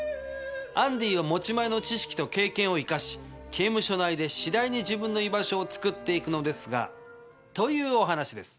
アンディーは持ち前の知識と経験を生かし刑務所内で次第に自分の居場所をつくって行くのですがというお話です。